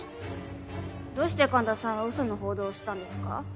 どうして神田さんはウソの報道をしたんですか？